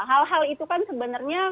hal hal itu kan sebenarnya